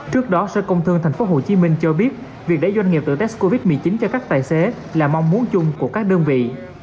trước đó sở công thương thành phố hồ chí minh cho biết việc để doanh nghiệp tự test covid một mươi chín cho các tài xế là mong muốn chung của các đơn vị